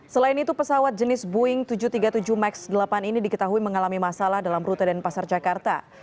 selain itu pesawat jenis boeing tujuh ratus tiga puluh tujuh max delapan ini diketahui mengalami masalah dalam rute denpasar jakarta